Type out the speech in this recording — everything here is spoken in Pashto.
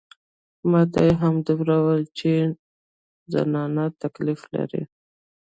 ما ته يې همدومره وويل چې زنانه تکليف لري.